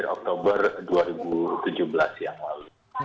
oktober dua ribu tujuh belas yang lalu